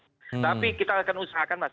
tapi kita akan usahakan mas